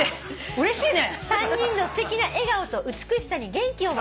うれしいね。